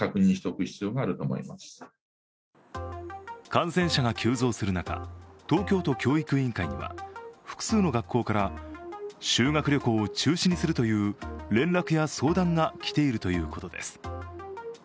感染者が急増する中、東京都教育委員会には複数の学校から、修学旅行を中止にするという連絡や相談が来ているということです。